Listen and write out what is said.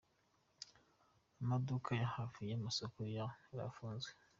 Amaduka yo hafi y’amasoko yo yarafunzwe.